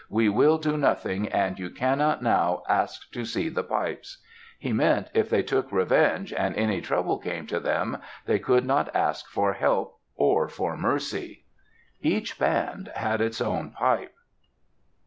We will do nothing, and you cannot now ask to see the pipes." He meant if they took revenge and any trouble came to them, they could not ask for help or for mercy. Each band had its own pipe.